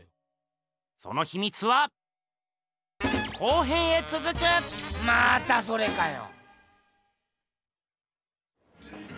そのひみつはまたそれかよ。